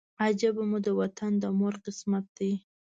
عجیبه مو د وطن د مور قسمت دی